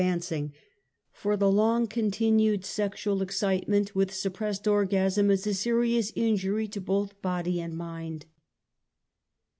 117 \ \vancing, for the long continued sexual excitement '\ with suppressed orgasm' is a serious injury to both/ body and mind.